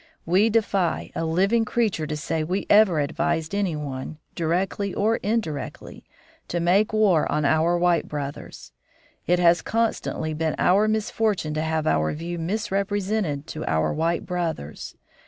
We defy a living creature to say we ever advised any one, directly or indirectly, to make war on our white brothers. It has constantly been our misfortune to have our view misrepresented to our white brothers.